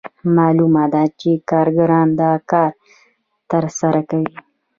معلومه ده چې کارګران دا کار ترسره کوي